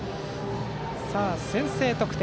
先制得点。